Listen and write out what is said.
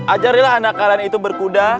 ajarilah anak kalian itu berkuda